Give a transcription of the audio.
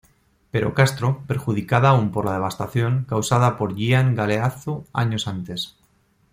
Pero Castro, perjudicada aún por la devastación, causada por Gian Galeazzo años antes.